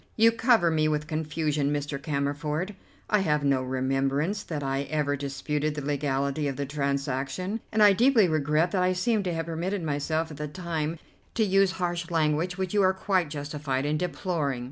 "You cover me with confusion, Mr. Cammerford. I have no remembrance that I ever disputed the legality of the transaction, and I deeply regret that I seem to have permitted myself at the time to use harsh language which you are quite justified in deploring.